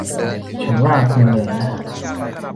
ฉันว่าคุณเหนื่อยนะ